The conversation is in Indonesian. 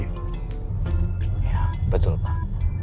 iya betul pak